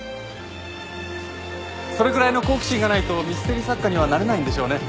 それぐらいの好奇心がないとミステリ作家にはなれないんでしょうね。